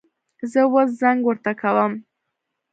زه اوس زنګ ورته کوم